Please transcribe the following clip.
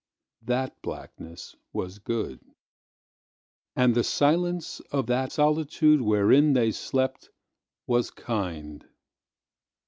That blackness was good; And the silence of that solitudeWherein they sleptWas kind.